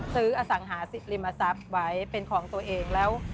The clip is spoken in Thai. อสังหาริมทรัพย์ไว้เป็นของตัวเองแล้ว